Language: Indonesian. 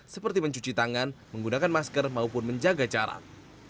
seperti mencuci tangan menggunakan masker maupun menjaga jarak